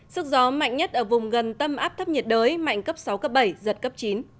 sức gió mạnh nhất ở vùng gần tâm áp thấp nhiệt đới mạnh cấp sáu cấp bảy giật cấp chín